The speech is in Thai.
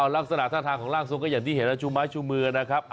ลักษณะท่าทางของร่างทรงก็อย่างที่เห็นแล้วชูไม้ชูมือนะครับ